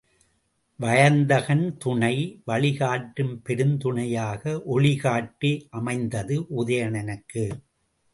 வயந்தகன் துணை, வழி காட்டும் பெருந்துணையாக ஒளிகாட்டி அமைந்தது உதயணனுக்கு.